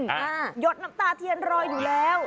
หยดน้ำตาเทียนรออยู่แล้ว